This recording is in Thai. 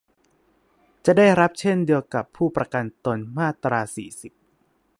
จะได้รับเช่นเดียวกับผู้ประกันตน มาตรา สี่สิบ